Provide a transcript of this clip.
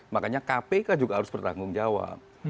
makanya kpk juga harus bertanggung jawab